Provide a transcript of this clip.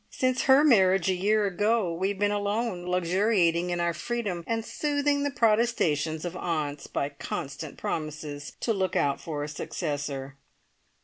Since her marriage a year ago we have been alone, luxuriating in our freedom, and soothing the protestations of aunts by constant promises to look out for a successor.